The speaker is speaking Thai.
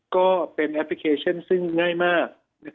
ก็เป็นแอปพลิเคชันซึ่งง่ายมาก